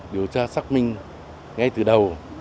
điều tra xác minh ngay từ đầu